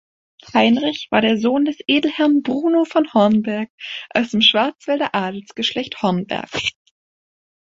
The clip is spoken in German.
Heinrich war der Sohn des Edelherren Bruno von Hornberg aus dem Schwarzwälder Adelsgeschlecht Hornberg.